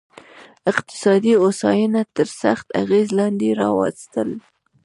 اقتصادي هوساینه تر سخت اغېز لاندې راوستل.